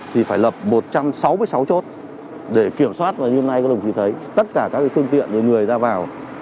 thì phải lập một trăm sáu mươi sáu chốt để kiểm soát và như hôm nay các đồng chí thấy tất cả các phương tiện người ra vào